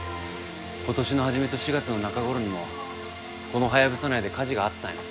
今年の初めと４月の中頃にもこのハヤブサ内で火事があったんや。